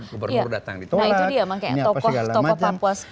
gubernur datang ditolak